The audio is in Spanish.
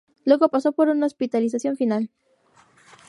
Luego pasó por una hospitalización final.